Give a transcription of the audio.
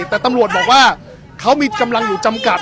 แต่ตำรวจบอกว่าเขามีกำลังอยู่จำกัด